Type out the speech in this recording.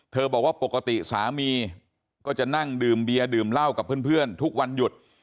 บอกว่าปกติสามีก็จะนั่งดื่มเบียร์ดื่มเหล้ากับเพื่อนทุกวันหยุด